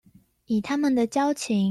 以他們的交情